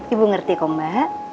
ibu ngerti kok mbak